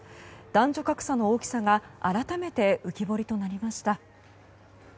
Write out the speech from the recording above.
男女格差の大きさが改めて浮き彫りとなりました。